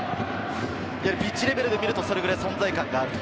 ピッチレベルで見るとそれくらい存在感があると。